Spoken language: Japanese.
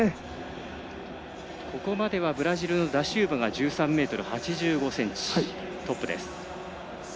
ここまではブラジルのダシウバが１３ｍ８５ｃｍトップです。